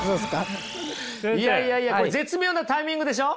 いやいやいやこれ絶妙なタイミングでしょ？